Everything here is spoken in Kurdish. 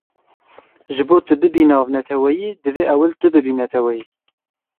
Ji bo tu bibî navneteweyî, divê ewil tu bibî neteweyî.